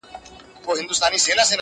بازاري ویل قصاب دی زموږ په ښار کي!.